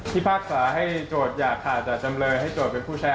ที่ภาคศาสตร์ให้โจทย์อย่าขาดแต่จำเลยให้โจทย์เป็นผู้แชร์